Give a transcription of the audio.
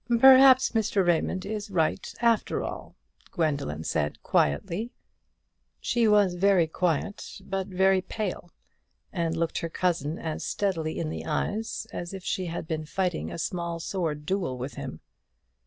"Perhaps Mr. Raymond is right, after all," Gwendoline said, quietly. She was very quiet, but very pale, and looked her cousin as steadily in the eyes as if she had been fighting a small sword duel with him.